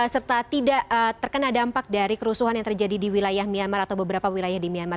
serta tidak terkena dampak dari kerusuhan yang terjadi di wilayah myanmar atau beberapa wilayah di myanmar